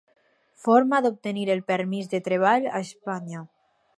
Forma d'obtenir el permís de treball a Espanya.